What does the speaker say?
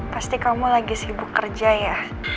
pasti kamu lagi sibuk kerja ya